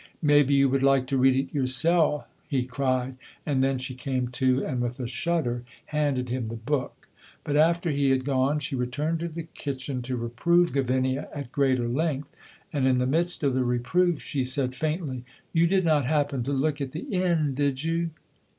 "Maybe you would like to read it yoursel'!" he cried, and then she came to, and, with a shudder handed him the book. But after he had gone she returned to the kitchen to reprove Gavinia at greater length, and in the midst of the reproof she said faintly: "You did not happen to look at the end, did you?"